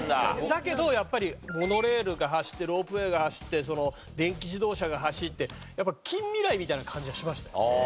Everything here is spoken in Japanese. だけどやっぱりモノレールが走ってロープウェーが走って電気自動車が走ってやっぱ近未来みたいな感じはしましたよ。